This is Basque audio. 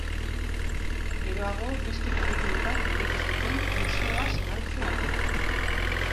Geroago beste pabiloi bat eraiki zuten museoa zabaltze aldera.